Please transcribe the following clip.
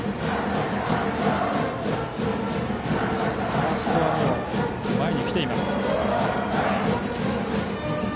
ファーストは前に来ています。